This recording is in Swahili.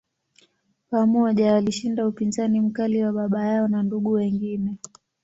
Pamoja, walishinda upinzani mkali wa baba yao na ndugu wengine.